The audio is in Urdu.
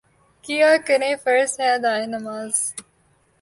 کیا کریں فرض ہے ادائے نماز